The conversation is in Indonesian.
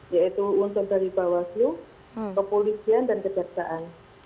yaitu unsur dari bapak selu kepolisian dan kejaksaan